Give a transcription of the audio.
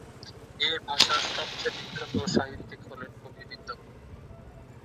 এ ভাষার সবচেয়ে বিখ্যাত সাহিত্যিক হলেন কবি বিদ্যাপতি।